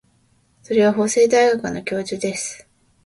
それは法政大学の教授です。